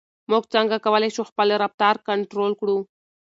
موږ څنګه کولای شو خپل رفتار کنټرول کړو؟